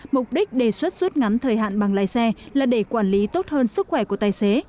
mục đích đề xuất rút ngắn thời hạn bằng lái xe là để quản lý tốt hơn sức khỏe của tài xế